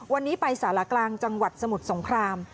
วันนี้ไปสารกลางจังหวัดสมุทรสงคราม